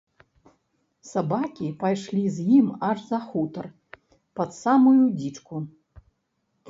Сабакі пайшлі з ім аж за хутар, пад самую дзічку.